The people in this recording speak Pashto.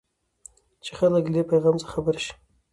چې خلک له دې پيفام څخه خبر شي.